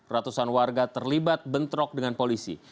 ratusan warga terlibat bentrok dengan polisi